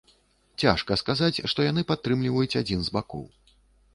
Цяжка сказаць, што яны падтрымліваюць адзін з бакоў.